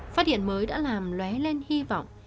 phát hiện mới đã làm lé lên hy vọng